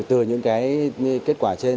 từ những cái kết quả trên